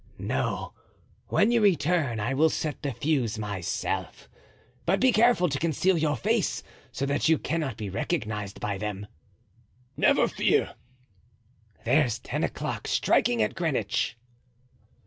"No. When you return I will set the fuse myself, but be careful to conceal your face, so that you cannot be recognized by them." "Never fear." "There's ten o'clock striking at Greenwich."